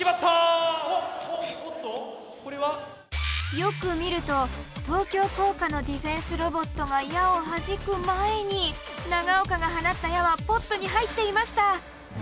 よく見ると東京工科のディフェンスロボットが矢をはじく前に長岡が放った矢はポットにはいっていました。